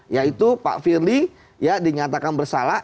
yaitu pak firly dinyatakan bersalah